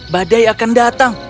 badai akan datang